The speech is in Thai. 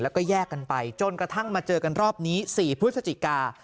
แล้วก็แยกกันไปจนกระทั่งมาเจอกันรอบนี้๔พฤศจิกา